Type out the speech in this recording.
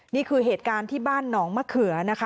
นี่คือเหตุการณ์ที่บ้านหนองมะเขือนะคะ